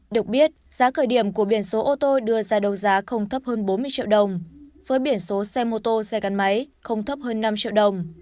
được biết giá khởi điểm của biển số ô tô đưa ra đấu giá không thấp hơn bốn mươi triệu đồng với biển số xe mô tô xe gắn máy không thấp hơn năm triệu đồng